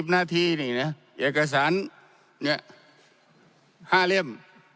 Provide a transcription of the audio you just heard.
๑๐๒๐นาทีเนี่ยเอกสาร๕เล่ม